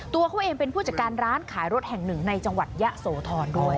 ตัวเขาเองเป็นผู้จัดการร้านขายรถแห่งหนึ่งในจังหวัดยะโสธรด้วย